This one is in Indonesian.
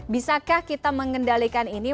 bisakah kita mengendalikan ini